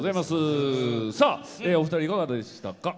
お二人、いかがでしたか？